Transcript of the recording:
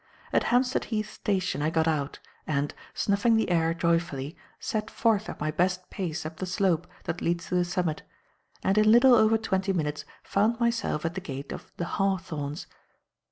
At Hampstead Heath Station I got out, and, snuffing the air joyfully, set forth at my best pace up the slope that leads to the summit; and in little over twenty minutes found myself at the gate of "The Hawthorns."